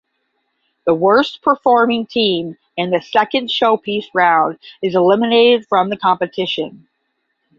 The worst performing team in the second "Showpiece" round is eliminated from the competition.